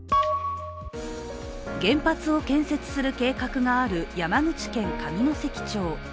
原発を建設する計画がある山口県上関町。